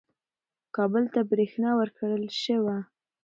کابل ته برېښنا ورکړل شوه.